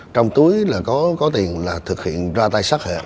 trong túi là có tiền là thực hiện ra tay sát hẹp